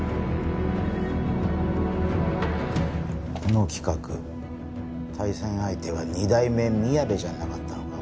この企画対戦相手は二代目みやべじゃなかったのか？